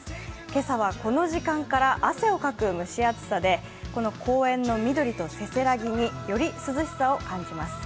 今朝はこの時間から汗をかく蒸し暑さで公園の緑とせせらぎにより涼しさを感じます。